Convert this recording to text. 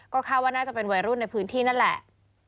ก็คาดว่าน่าจะเป็นวัยรุ่นในพื้นที่นั่นแหละ